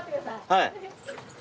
はい。